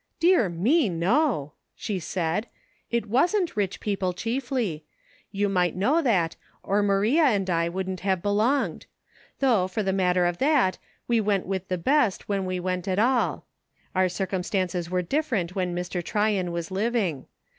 " Dear me, no," she said ; "it wasnt rich people, chiefly ; you might know that, or Maria and I wouldn't have belonged ; though, for the matter of that, we went with the best, when we went at all ; our circumstances were different when Mr. Tryon was living.